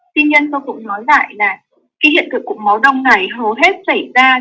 tuy nhiên tôi cũng nói lại là hiện thực cục máu đông này hầu hết xảy ra trong các bác sĩ